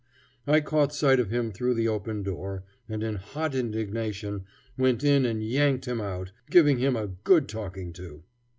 I caught sight of him through the open door, and in hot indignation went in and yanked him out, giving him a good talking to.